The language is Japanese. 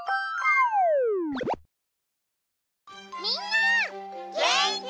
みんな！